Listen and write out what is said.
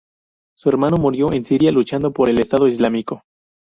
Su hermano murió en Siria luchando por el Estado islámico.